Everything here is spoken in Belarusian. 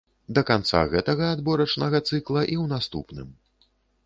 Да канца гэтага адборачнага цыкла і ў наступным.